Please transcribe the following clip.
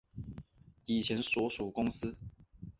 以前所属公司